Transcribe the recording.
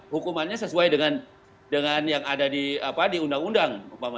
hukumannya sesuai dengan yang ada di undang undang